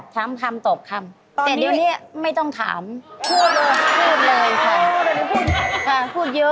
ถามคำตอบคำแต่เดี๋ยวนี้ไม่ต้องถามพูดเลยค่ะ